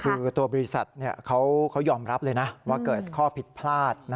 คือตัวบริษัทเขายอมรับเลยนะว่าเกิดข้อผิดพลาด